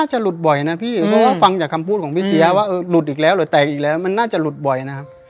หรือว่าหลุดอีกแล้วหรือแตกอีกแล้วมันน่าจะหลุดบ่อยนะครับ